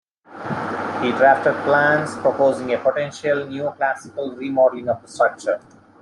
He drafted plans, proposing a potential Neoclassical remodelling of the structure.